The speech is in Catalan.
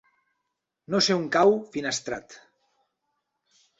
No sé on cau Finestrat.